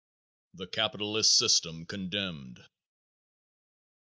_The Capitalist System Condemned.